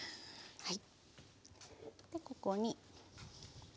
はい。